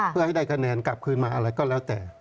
เพื่อให้ได้คะแนนกลับคืนมาอะไรก็แล้วแต่